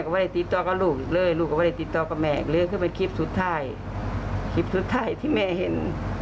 วันนี้คือคลิปสุดท้ายที่แม่เห็น